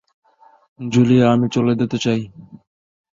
Julia আমি চলে যেতে চাই।